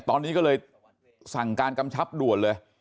ตอนนี้ก็เลยสั่งการกำชับด่วนเลย